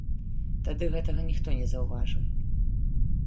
Тады гэтага ніхто не заўважыў.